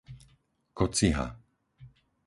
Kociha